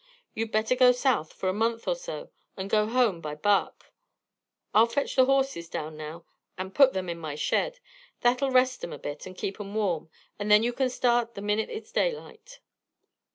You'd better go South fur a month or so and go home by barque. I'll fetch the horses down now and put them in my shed. That'll rest 'em a bit and keep 'em warm, and then you kin start the minute it's daylight."